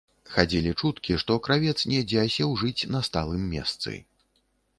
Хадзілі чуткі, што кравец недзе асеў жыць на сталым месцы.